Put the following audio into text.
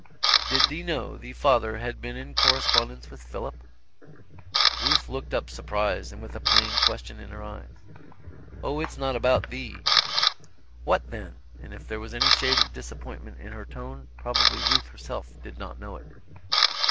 "Did thee know thee father had been in correspondence with Philip?" Ruth looked up surprised and with a plain question in her eyes. "Oh, it's not about thee." "What then?" and if there was any shade of disappointment in her tone, probably Ruth herself did not know it.